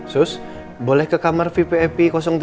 sus boleh ke kamar vpap tiga